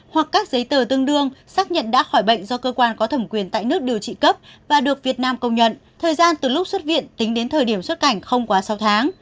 hoặc các giấy tờ tương đương xác nhận đã khỏi bệnh do cơ quan có thẩm quyền tại nước điều trị cấp và được việt nam công nhận thời gian từ lúc xuất viện tính đến thời điểm xuất cảnh không quá sáu tháng